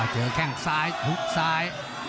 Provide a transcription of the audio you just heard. เจอแก้งซ้ายหุบซ้าย